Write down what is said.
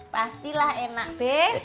pastilah enak be